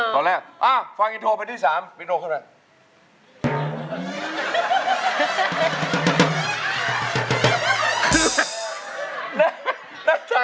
ตอนแรกอ้าวฟังอินโทรไปที่สามอินโทรเข้าหน้า